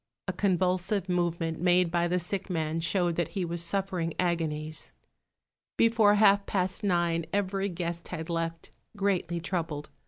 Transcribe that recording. A convulsive movement made by the sick man showed that he was suffering agonies. Before half past nine every guest had left, greatly troubled.